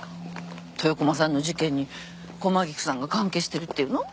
豊駒さんの事件に駒菊さんが関係してるって言うの？